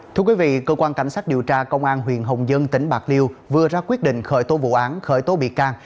thưa quý vị cơ quan cảnh sát điều tra công an huyện hồng dân tỉnh bạc liêu vừa ra quyết định khởi tố vụ án khởi tố bị can